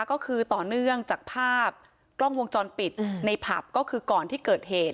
ก็คือต่อเนื่องจากภาพกล้องวงจรปิดในผับก็คือก่อนที่เกิดเหตุ